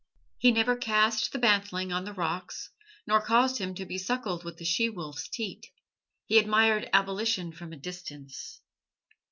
He never cast the bantling on the rocks, nor caused him to be suckled with the she wolf's teat. He admired "abolition" from a distance.